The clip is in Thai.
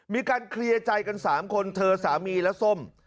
มีการเคลียร์ใจกัน๓คนเธอสามีและส้ม